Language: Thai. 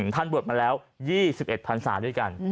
ท่านบวชมาแล้ว๒๑พันศาด้วยกัน